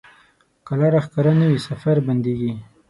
که لاره ښکاره نه وي، سفر بندېږي.